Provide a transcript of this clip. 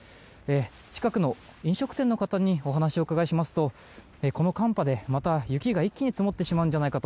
近くの飲食店の方にお話をお伺いしますとこの寒波で、また雪が一気に積もってしまうんじゃないかと。